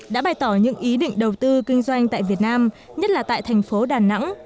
đã bày tỏ những ý định đầu tư kinh doanh tại việt nam nhất là tại thành phố đà nẵng